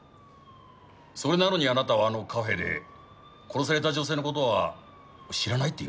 それなのにあなたはあのカフェで殺された女性の事は知らないって言いましたよね。